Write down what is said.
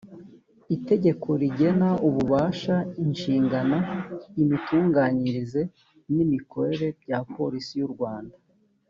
itegeko rigena ububasha inshingano imitunganyirize n imikorere bya polisi y u rwanda